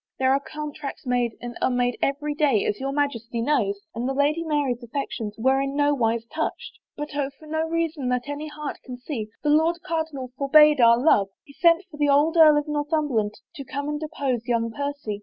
There are contracts made and unmade every day, as your Majesty knows, and the Lady Mary's affections were in no wise touched. But oh, for no reason that any heart can see, the Lord Cardinal forbade our love. He sent for the old Earl of Northumberland to come and oppose young Percy.